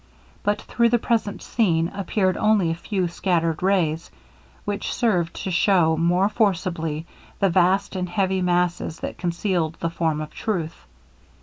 But through the present scene appeared only a few scattered rays, which served to shew more forcibly the vast and heavy masses that concealed the form of truth.